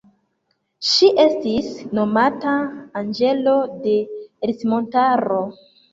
Ŝi estis nomata anĝelo de Ercmontaro.